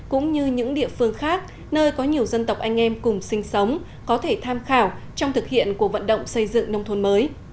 cũng như những địa phương khác nơi có nhiều dân tộc anh em cùng sinh sống có thể tham khảo trong thực hiện cuộc vận động xây dựng nông thôn mới